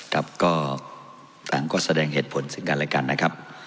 ครับก็ตามกฎแสดงเหตุผลสินการรายการนะครับ